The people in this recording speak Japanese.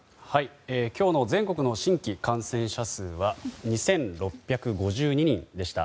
今日の全国の新規感染者数は２６５２人でした。